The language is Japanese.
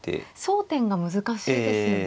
争点が難しいですよね。